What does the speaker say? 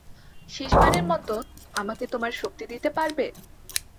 শেষবারের মতো আমাকে তোমার শক্তি দিতে পারবে?